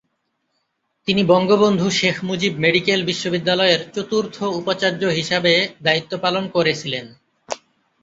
তিনি বঙ্গবন্ধু শেখ মুজিব মেডিকেল বিশ্ববিদ্যালয়ের চতুর্থ উপাচার্য হিসাবে দায়িত্ব পালন করেছিলেন।